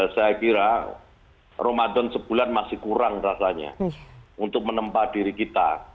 saya kira ramadan sebulan masih kurang rasanya untuk menempa diri kita